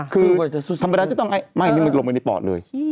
คือธรรมดาจะต้องไม่นี่มันลงไปในปอดเลย